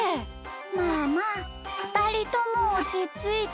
まあまあふたりともおちついて。